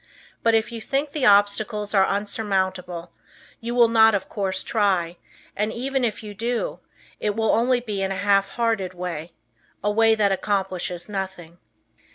But if you think the obstacles are unsurmountable, you will not of course try, and even if you do, it will be in only a half hearted way a way that accomplishes nothing.